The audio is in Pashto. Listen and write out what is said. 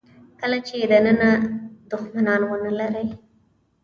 کله چې دننه دوښمنان ونه لرئ.